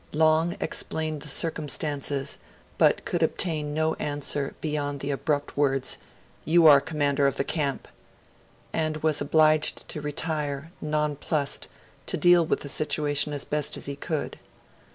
Long explained the circumstances, but could obtain no answer beyond the abrupt words 'You are commander of the camp' and was obliged to retire, nonplussed, to deal with the situation as best he could.